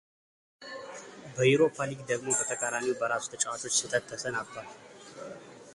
በዩሮፓ ሊግ ደግሞ በተቃራኒው በራሱ ተጫዋቾች ስህተት ተሰናብቷል።